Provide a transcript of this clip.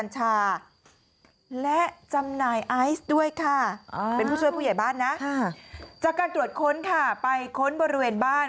จากการตรวจค้นค่ะไปค้นบริเวณบ้าน